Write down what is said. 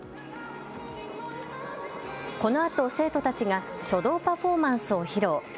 このあと生徒たちが書道パフォーマンスを披露。